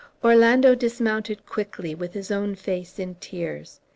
Orlando dismounted quickly, with his own face in tears.